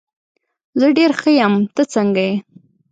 زه ډېر ښه یم، ته څنګه یې؟